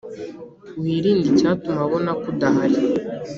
wirnde icyatuma abona ko udahari